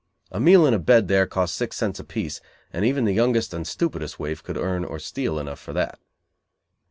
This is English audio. A meal and a bed there cost six cents apiece and even the youngest and stupidest waif could earn or steal enough for that.